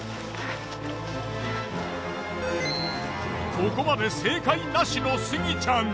ここまで正解なしのスギちゃん。